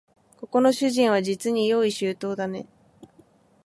ここの主人はじつに用意周到だね